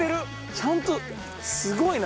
ちゃんとすごいな。